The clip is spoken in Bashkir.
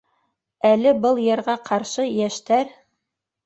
Әле был йырға ҡаршы йәштәр: